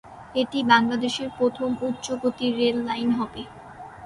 এটি বাংলাদেশের প্রথম উচ্চগতির রেল লাইন হবে।